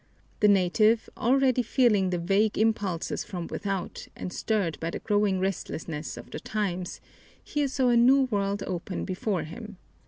The native, already feeling the vague impulses from without and stirred by the growing restlessness of the times, here saw a new world open before him.